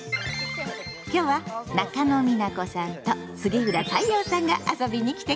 今日は中野美奈子さんと杉浦太陽さんが遊びに来てくれたわよ。